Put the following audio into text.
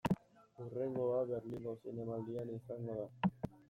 Hurrengoa, Berlingo Zinemaldian izango da.